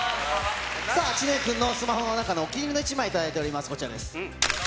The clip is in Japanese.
さあ、知念君のスマホの中のお気に入りの１枚、頂いております。